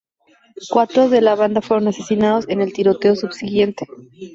Cuatro de la banda fueron asesinados en el tiroteo subsiguiente.